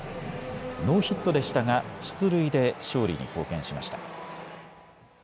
ノーヒットでしたが出塁で勝利に貢献しました。